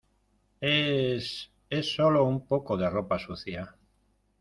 es... es solo un poco de ropa sucia .